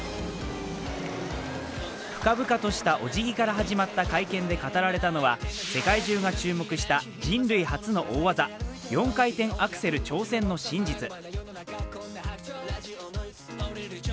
深々としたおじぎから始まった会見で語られたのは世界中が注目した人類初の大技４回転アクセル挑戦の真実。